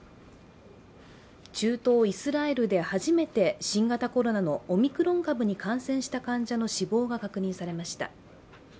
中東イスラエルで初めて新型コロナのオミクロン株に感染した患者の死亡が確認されました。